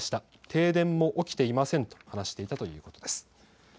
停電も起きていませんと話していたということです。